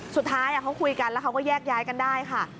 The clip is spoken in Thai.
สุดท้ายเขาคุยกันแล้วเขาก็แยกย้ายกันได้ค่ะ